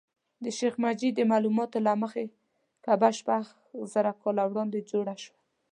د شیخ مجید د معلوماتو له مخې کعبه شپږ زره کاله وړاندې جوړه شوه.